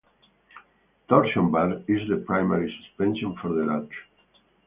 Torsion bar is the primary suspension for the Luchs.